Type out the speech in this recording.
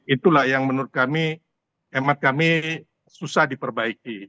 itulah yang menurut kami hemat kami susah diperbaiki